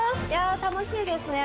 楽しいですね。